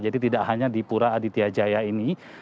jadi tidak hanya di pura aditya jaya ini